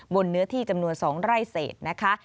เนื้อที่จำนวน๒ไร่เศษนะคะ